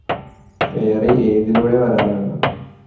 വേറെ ഏതിലൂടെ വരാനാണ്